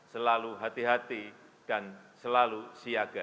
selalu hati hati dan selalu siaga